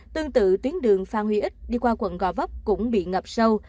tương tự tuyến đường phan huy ích đi qua quận gò vấp cũng bị ngập sâu